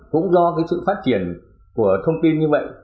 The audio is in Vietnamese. cũng do cái sự phát triển của thông tin như vậy